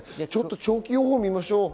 長期予報を見ましょう。